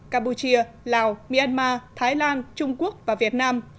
campuchia lào myanmar thái lan trung quốc và việt nam